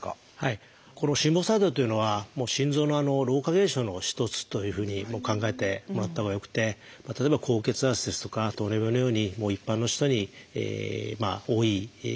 この心房細動というのは心臓の老化現象の一つというふうに考えてもらったほうがよくて例えば高血圧ですとか糖尿病のように一般の人に多い疾患です。